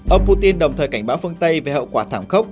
ông putin đồng thời cảnh báo phương tây về hậu quả thảm khốc